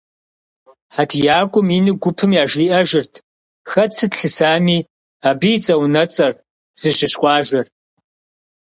ХьэтиякӀуэм ину гупым яжриӀэжырт хэт сыт лъысами, абы и цӀэ-унуэцӀэр, зыщыщ къуажэр.